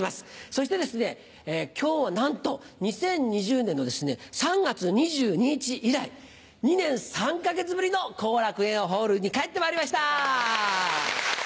そして今日はなんと２０２０年の３月２２日以来２年３か月ぶりの後楽園ホールに帰ってまいりました！